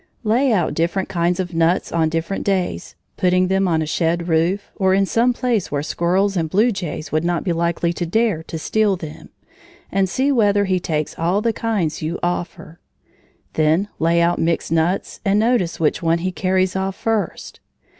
Lay out different kinds of nuts on different days, putting them on a shed roof, or in some place where squirrels and blue jays would not be likely to dare to steal them, and see whether he takes all the kinds you offer. Then lay out mixed nuts and notice which ones he carries off first.